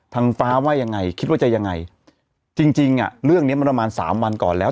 ทางฟ้าว่ายังไงคิดว่าจะยังไงจริงจริงอ่ะเรื่องเนี้ยมันประมาณสามวันก่อนแล้ว